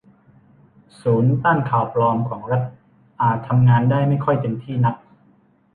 ศูนย์ต้านข่าวปลอมของรัฐอาจทำงานได้ไม่ค่อยเต็มที่นัก